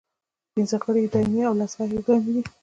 پنځه غړي یې دایمي او لس غیر دایمي دي.